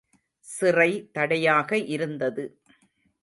சிறை தடையாக இருந்தது.